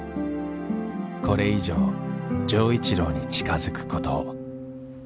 これ以上錠一郎に近づくことを。